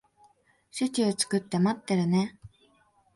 シチュー作って待ってるね。